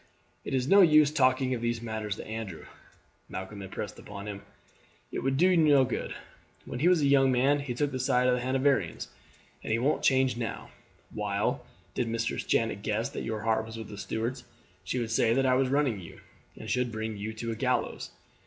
"It is no use talking of these matters to Andrew," Malcolm impressed upon him; "it would do no good. When he was a young man he took the side of the Hanoverians, and he won't change now; while, did Mistress Janet guess that your heart was with the Stuarts, she would say that I was ruining you, and should bring you to a gallows.